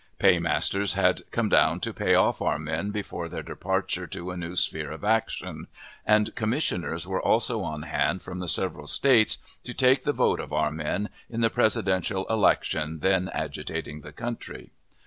Paymasters had come down to pay off our men before their departure to a new sphere of action, and commissioners were also on hand from the several States to take the vote of our men in the presidential election then agitating the country.